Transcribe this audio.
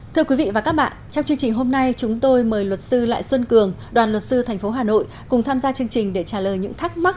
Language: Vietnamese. thưa quý vị và các bạn trong chương trình hôm nay chúng tôi mời luật sư lại xuân cường đoàn luật sư tp hà nội cùng tham gia chương trình để trả lời những thắc mắc